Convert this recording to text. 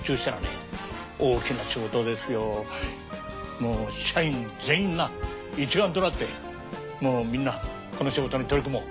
もう社員全員が一丸となってもうみんなこの仕事に取り組もう。